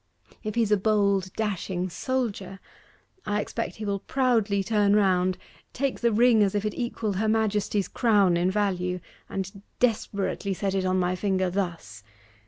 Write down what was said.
'If he's a bold, dashing soldier, I expect he will proudly turn round, take the ring as if it equalled her Majesty's crown in value, and desperately set it on my finger thus.